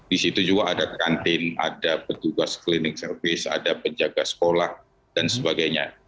di situ juga ada kantin ada petugas cleaning service ada penjaga sekolah dan sebagainya